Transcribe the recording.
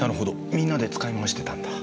みんなで使い回してたんだ。